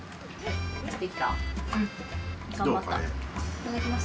いただきます。